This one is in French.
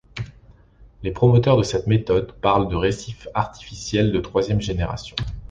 Les promoteurs de cette méthode parlent de récifs artificiels de troisième génération.